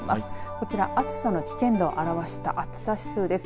こちら暑さの危険度を表した暑さ指数です。